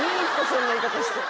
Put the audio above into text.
そんな言い方して